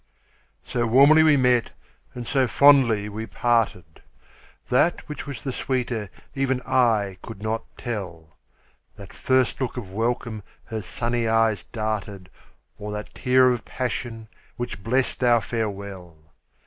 So warmly we met and so fondly we parted, That which was the sweeter even I could not tell, That first look of welcome her sunny eyes darted, Or that tear of passion, which blest our farewell.